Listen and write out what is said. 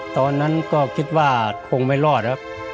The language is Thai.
ตอนนั้นก็คิดว่าคงไม่รอดครับ